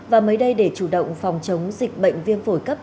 và mới đây để chủ động phòng chống dịch bệnh viêm phổi cấp